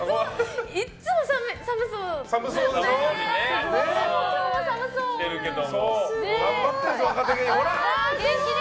いつも寒そうで。